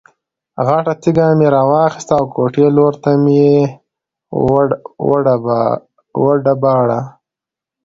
غټه تیږه مې را واخیسته او کوټې لور ته مې یې وډباړه.